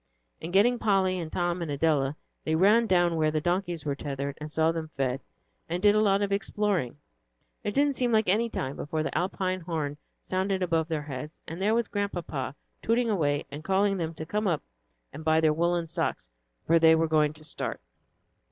And getting Polly and Tom and Adela, they ran down where the donkeys were tethered and saw them fed, and did a lot of exploring; and it didn't seem any time before an Alpine horn sounded above their heads, and there was Grandpapa, tooting away and calling them to come up and buy their woollen socks; for they were going to start.